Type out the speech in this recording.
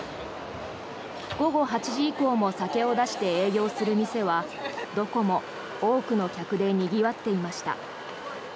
午後８時以降も酒を出して営業する店はどこも多くの客でにぎわっていました。